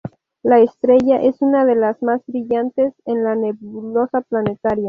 La estrella es una de las más brillantes en una nebulosa planetaria.